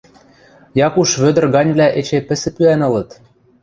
Якуш Вӧдӹр ганьвлӓ эче пӹсӹ пӱӓн ылыт!